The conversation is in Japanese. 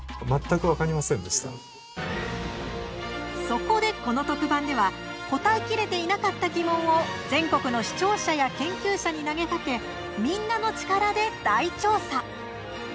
そこで、この特番では答えきれていなかった疑問を全国の視聴者や研究者に投げかけみんなの力で大調査。